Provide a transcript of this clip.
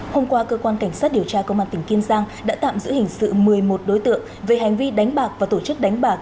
hôm qua cơ quan cảnh sát điều tra công an tỉnh kiên giang đã tạm giữ hình sự một mươi một đối tượng về hành vi đánh bạc và tổ chức đánh bạc